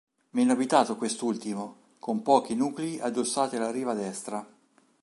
Meno abitato quest'ultimo, con pochi nuclei addossati alla riva destra.